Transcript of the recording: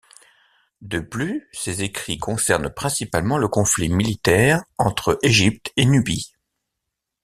De plus ces écrits concernent principalement le conflit militaire entre Égypte et Nubie.